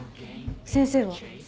先生は？